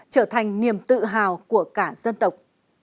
trở thành niềm tự hào của cả dân tộc